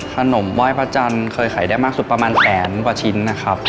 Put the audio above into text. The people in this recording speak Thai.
ขนมไหว้พระจันทร์เคยขายได้มากสุดประมาณแสนกว่าชิ้นนะครับ